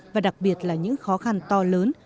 và đặc biệt là những khó khăn to lớn